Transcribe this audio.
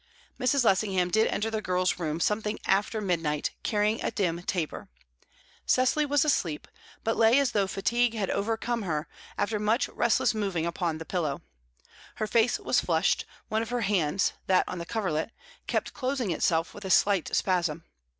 Mrs. Lessingham did enter the girl's room something after midnight, carrying a dim taper. Cecily was asleep, but lay as though fatigue had overcome her after much restless moving upon the pillow. Her face was flushed; one of her hands, that on the coverlet, kept closing itself with a slight spasm.